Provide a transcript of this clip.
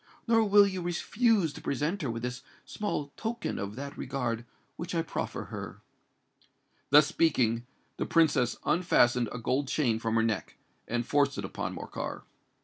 Nor will you refuse to present her with this small token of that regard which I proffer her." Thus speaking, the Princess unfastened a gold chain from her neck, and forced it upon Morcar.